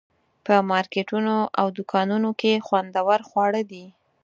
په مارکیټونو او دوکانونو کې خوندور خواړه دي.